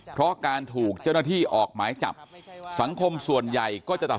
เพราะการถูกเจ้าหน้าที่ออกหมายจับสังคมส่วนใหญ่ก็จะตัด